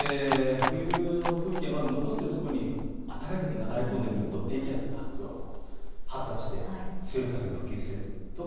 冬の空気がまだ残っているところに暖かい空気が流れ込んでくると低気圧が発達して強い風が吹きやすい。